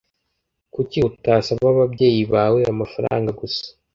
kuki utasaba ababyeyi bawe amafaranga gusa